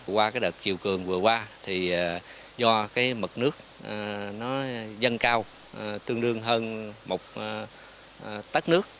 qua cái đợt chiều cường vừa qua thì do cái mực nước nó dâng cao tương đương hơn một tất nước